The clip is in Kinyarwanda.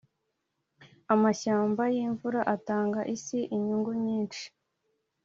amashyamba yimvura atanga isi inyungu nyinshi.